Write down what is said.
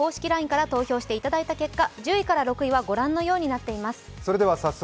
ＬＩＮＥから投票していただいた結果、１０位から６位はご覧のようになっています。